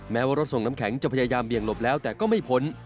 แม้ว่ารถส่งน้ำแข็งจะพยายามเบี่ยงหลบแล้วแต่ก็ไม่พ้น